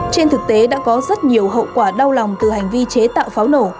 trên thực tế đã có rất nhiều hậu quả đau lòng từ hành vi chế tạo pháo nổ